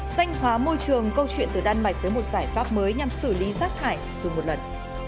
xanh hóa môi trường câu chuyện từ đan mạch tới một giải pháp mới nhằm xử lý rác thải dùng một lần